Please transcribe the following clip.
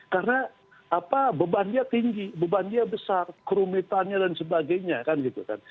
karena beban dia tinggi beban dia besar kerumitannya dan sebagainya kan gitu kan